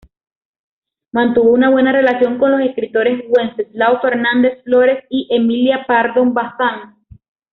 Mantuvo una buena relación con los escritores Wenceslao Fernández Florez y Emilia Pardo Bazán.